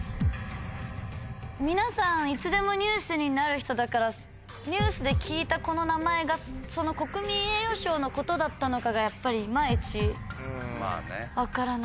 皆さんいつでもニュースになる人だからニュースで聞いたこの名前がその国民栄誉賞のことだったのかがやっぱりいまいち分からない。